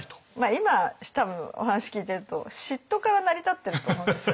今多分お話聞いてると嫉妬から成り立ってると思うんですよ。